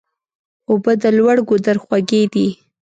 اوبه د لوړ ګودر خوږې دي.